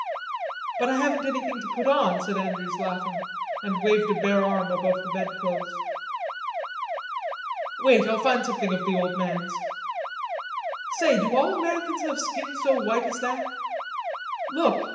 "But I haven't anything to put on," said Andrews, laughing, and waved a bare arm above the bedclothes. "Wait, I'll find something of the old man's. Say, do all Americans have skin so white as that? Look."